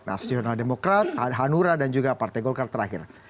nasional demokrat hanura dan juga partai golkar terakhir